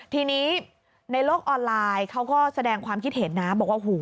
ที่นี่ในโลกออนไลน์เขาก็แสดงความคิดเหตุนะ